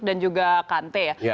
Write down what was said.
dan juga kante ya